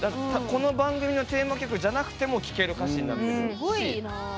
この番組のテーマ曲じゃなくても聴ける歌詞になってる。